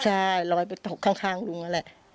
ใช่ลอยไปตกข้างลุงนั่นแหละ